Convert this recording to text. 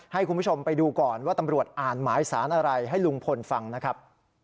ให้คุณผู้ชมไปดูก่อนว่าตำรวจอ่านหมายสารอะไรให้ลุงพลฟังนะครับ